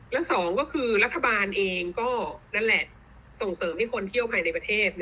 และสองก็คือรัฐบาลเองก็นั่นแหละส่งเสริมให้คนเที่ยวภายในประเทศ